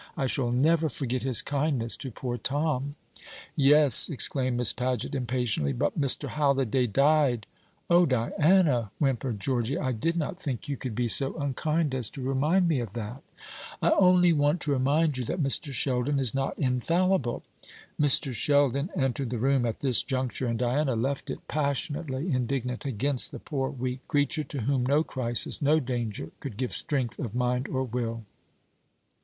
I shall never forget his kindness to poor Tom." "Yes," exclaimed Miss Paget impatiently, "but Mr. Halliday died." "O Diana," whimpered Georgy, "I did not think you could be so unkind as to remind me of that." "I only want to remind you that Mr. Sheldon is not infallible." Mr. Sheldon entered the room at this juncture, and Diana left it, passionately indignant against the poor weak creature, to whom no crisis, no danger, could give strength of mind or will.